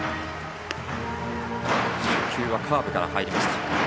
初球はカーブから入りました。